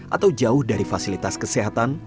atau jauh dari fasilitas kesehatan